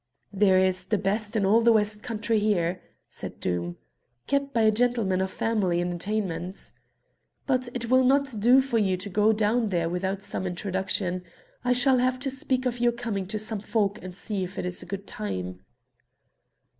"There is the best in all the West Country there," said Doom, "kept by a gentleman of family and attainments. But it will not do for you to go down there without some introduction. I shall have to speak of your coming to some folk and see if it is a good time."